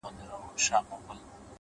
هغه ډېوه د نيمو شپو ده تور لوگى نــه دی”